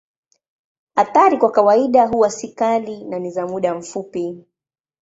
Athari kwa kawaida huwa si kali na ni za muda mfupi.